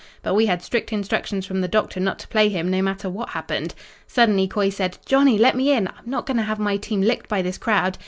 But we had strict instructions from the doctor not to play him, no matter what happened. "Suddenly Coy said: 'Johnny, let me in. I'm not going to have my team licked by this crowd.'